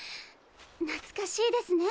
懐かしいですね。